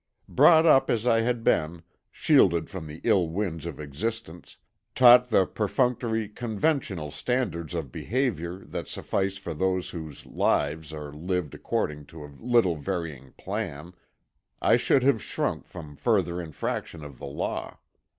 Brought up as I had been, shielded from the ill winds of existence, taught the perfunctory, conventional standards of behavior that suffice for those whose lives are lived according to a little varying plan, I should have shrunk from further infraction of the law.